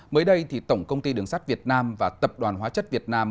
mới đây tổng công ty đường sắt việt nam và tập đoàn hóa chất việt nam